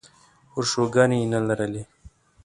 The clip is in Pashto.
ورشوګانې یې نه لرلې.